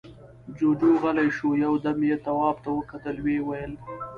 جُوجُو غلی شو، يو دم يې تواب ته وکتل، ويې ويل: